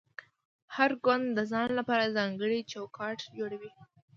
هر ګوند د ځان لپاره ځانګړی چوکاټ جوړوي